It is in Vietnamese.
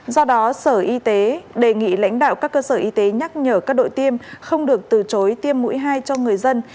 do đó sở y tế đề nghị lãnh đạo các cơ sở y tế nhắc nhở các đội tiêm không được từ chối tiêm mũi hai cho người dân